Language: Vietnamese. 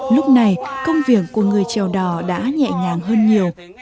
lúc này công việc của người chèo đò đã nhẹ nhàng hơn nhiều